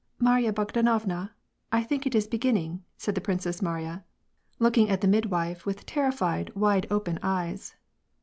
" Marya Bogdanovna ! I think it is beginning," said the Princess Mariya, looking at the midwife, with terrified, wide open eyes.